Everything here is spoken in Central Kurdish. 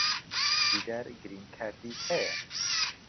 دیدار گرین کارتی ھەیە.